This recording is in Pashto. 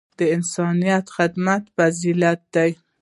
د انسانیت خدمت فضیلت دی.